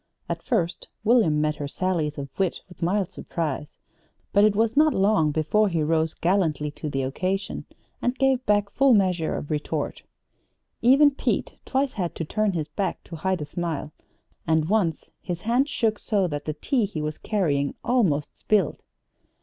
At first William met her sallies of wit with mild surprise; but it was not long before he rose gallantly to the occasion, and gave back full measure of retort. Even Pete twice had to turn his back to hide a smile, and once his hand shook so that the tea he was carrying almost spilled.